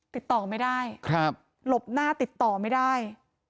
ติดต่อไม่ได้หลบหน้าติดต่อไม่ได้